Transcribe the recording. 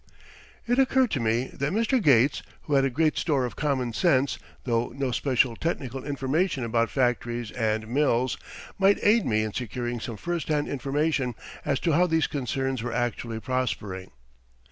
It occurred to me that Mr. Gates, who had a great store of common sense, though no especial technical information about factories and mills, might aid me in securing some first hand information as to how these concerns were actually prospering.